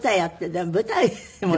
でも舞台もね。